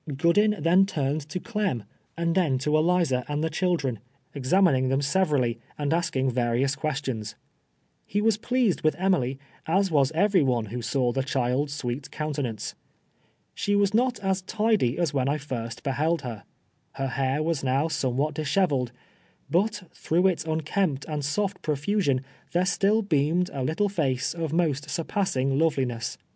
Goodin then turned to Clem, and then to Eliza and CO TWELVE TEAKS A BLAVE, tlio C'liililrcn, exainiiiin<x tlioui sevcranv, and askinrj A'arioiis <|iu'stii>iis. IIo was ])lc'ased Avith Emily, as was every one who saw tlic child's sweet connteuanco. She Avas iii)t as tidy as when I iirst beheld her; her hair was now somewhat disheveled ; hnt throuii'h its unkempt and soft profusion there still beamed a little face of most surpassini; loveliness.